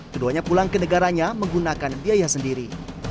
keduanya pulang ke negaranya menggunakan biaya sendiri